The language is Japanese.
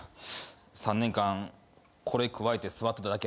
３年間これくわえて座ってただけやねん。